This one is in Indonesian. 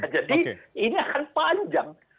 jadi ini akan panjang